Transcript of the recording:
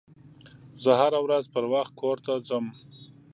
زه هره ورځ پروخت کور ته ځم